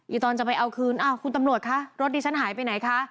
ตอนจะไปเอาคืนอ้าวคุณตำรวจคะรถดิฉันหายไปไหนคะ